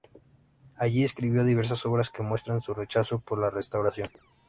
Allí escribió diversas obras que muestran su rechazo por la Restauración.